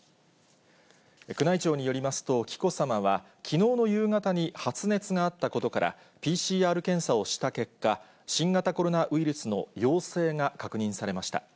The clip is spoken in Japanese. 宮内庁によりますと、紀子さまは、きのうの夕方に発熱があったことから、ＰＣＲ検査をした結果、新型コロナウイルスの陽性が確認されました。